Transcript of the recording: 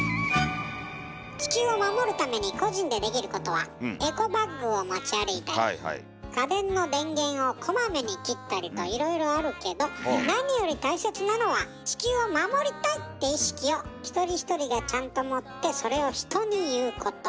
地球を守るために個人でできることはといろいろあるけど何より大切なのは「地球を守りたい」って意識を一人一人がちゃんと持ってそれを人に言うこと。